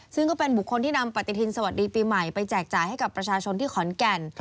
ซึ่งก็เป็นบุคคลที่นำปฏิทินสวัสดีปีใหม่ไปแจกจ่ายให้กับประชาชนที่ขอนแก่น